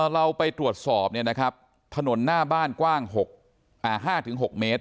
เราไปตรวจสอบเนี้ยนะครับถนนหน้าบ้านกว้างห้าถึงหกเมตร